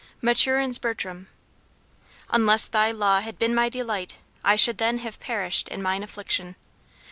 MATURIN'S BERTRAM. "Unless thy law had been my delight, I should then have perished in mine affliction."